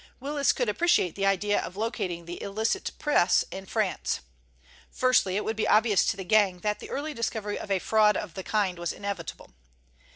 Willis could appreciate the idea of locating the illicit press in France. Firstly, it would be obvious to the gang that the early discovery of a fraud of the kind was inevitable.